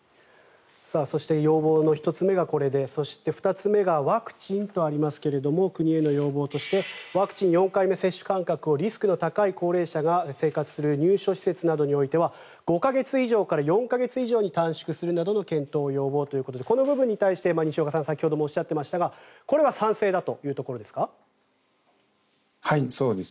そして要望の１つ目がこれでそして、２つ目がワクチンとありますが国への要望としてワクチン４回目接種間隔をリスクの高い高齢者が生活する入所施設などにおいては５か月以上から４か月以上に短縮するなどの検討を要望ということでこの部分に対して西岡さん先ほどもおっしゃっていましたがこれは賛成だということですか？